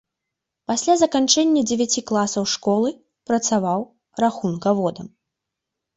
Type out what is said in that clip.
Пасля заканчэння дзевяці класаў школы працаваў рахункаводам.